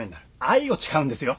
愛を誓うんですよ？